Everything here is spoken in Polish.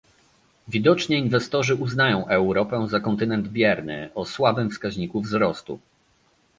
Widocznie inwestorzy uznają Europę za kontynent bierny, o słabym wskaźniku wzrostu